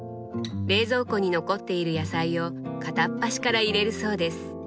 冷蔵庫に残っている野菜を片っ端から入れるそうです。